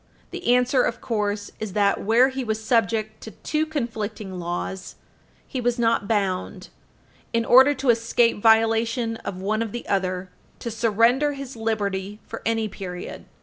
The answer, of course, is that, where he was subject to two conflicting laws, he was not bound, in order to escape violation of one or the other, to surrender his liberty for any period.